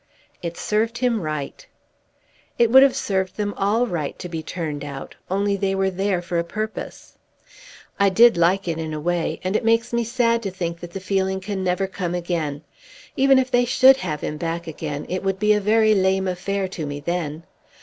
"It served him right." "It would have served them all right to be turned out, only they were there for a purpose. I did like it in a way, and it makes me sad to think that the feeling can never come again. Even if they should have him back again, it would be a very lame affair to me then.